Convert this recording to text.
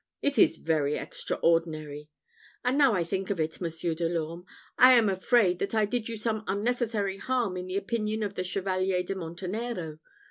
It is very extraordinary! and now I think of it, Monsieur de l'Orme, I am afraid that I did you some unnecessary harm in the opinion of the Chevalier de Montenero.